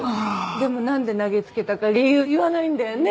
でもなんで投げつけたか理由言わないんだよね！